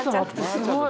すごい！